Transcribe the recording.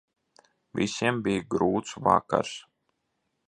Visiem bija grūts vakars.